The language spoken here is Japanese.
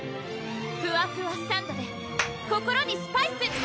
ふわふわサンドｄｅ心にスパイス！